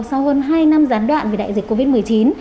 sau hơn hai năm gián đoạn vì đại dịch covid một mươi chín